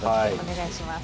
お願いします。